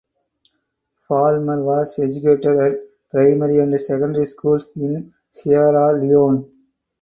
Palmer was educated at primary and secondary schools in Sierra Leone.